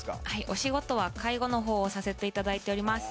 お仕事は介護の方をさせて頂いております。